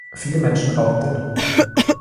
Viele Menschen rauchen dennoch.